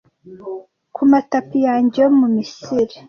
ku matapi yanjye yo mu misiri